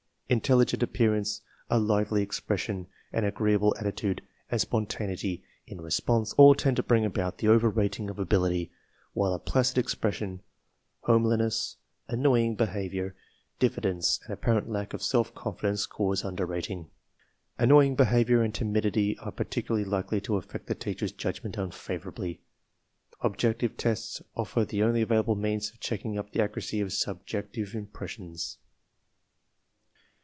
Intelligent appearance, a lively expression, an agreeable attitude and spontaneity in response, all tend to bring about the over rating of ability; while a placid expres sion, homeliness, annoying behavior, diffidence, and apparent lack of self confidence cause under rating. Annoying behavior and timidity are particularly likely to affect the teacher's judgment unfavorably. Objective tests offer the only available means of checking up the accuracy of subjective impressions.